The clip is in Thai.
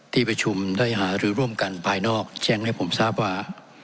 ที่ประชุมได้หารือร่วมกันภายนอกแจ้งให้ผมทราบว่า